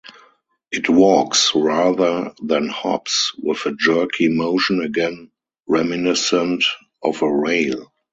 It walks rather than hops, with a jerky motion again reminiscent of a rail.